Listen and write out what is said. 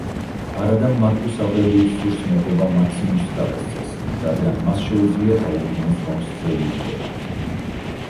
არადა მარკუს ავრელიუსს სურს მეფობა მაქსიმუსს გადასცეს, რადგან მას შეუძლია დაუბრუნოს რომს ძველი დიდება.